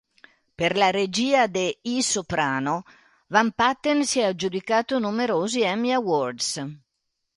Per la regia de "I Soprano", Van Patten si è aggiudicato numerosi Emmy Awards.